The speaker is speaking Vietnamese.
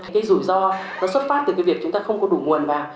cái rủi ro nó xuất phát từ cái việc chúng ta không có đủ nguồn vào